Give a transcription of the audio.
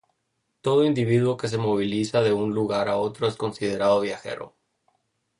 Todo individuo que se moviliza de un lugar a otro es considerado viajero.